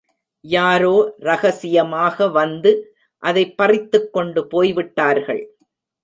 யாரோ ரகசியமாக வந்து அதைப் பறித்துக்கொண்டு போய்விட்டார்கள்.